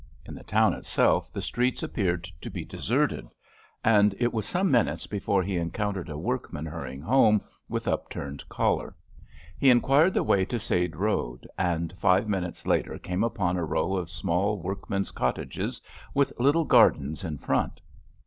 In the town itself the streets appeared to be deserted, and it was some minutes before he encountered a workman hurrying home, with upturned collar. He inquired the way to Sade Road, and five minutes later came upon a row of small workmen's cottages with little gardens in front.